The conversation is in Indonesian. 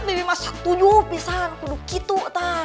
bibi masak tujuh pisang kuduki tuh tak